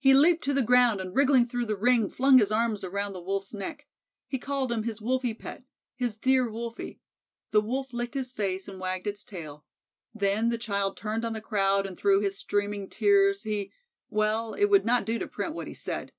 He leaped to the ground and wriggling through the ring flung his arms around the Wolf's neck. He called him his "Wolfie pet," his "dear Wolfie" the Wolf licked his face and wagged its tail then the child turned on the crowd and through his streaming tears, he Well it would not do to print what he said.